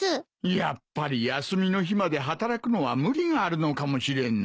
やっぱり休みの日まで働くのは無理があるのかもしれんな。